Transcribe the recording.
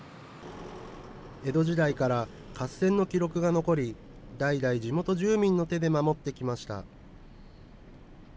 江戸時代から合戦の記録が残り、代々、地元住民の手で守ってきました。